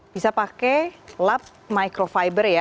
bisa pakai lap microfiber ya